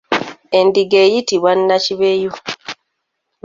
Endiga eyitibwa nnakibeyu.